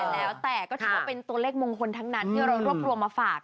แล้วแต่ก็ถือว่าเป็นตัวเลขมงคลทั้งนั้นที่เรารวบรวมมาฝาก